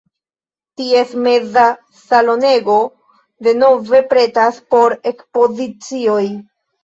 Ties meza salonego denove pretas por ekspozicioj.